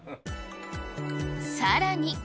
さらに。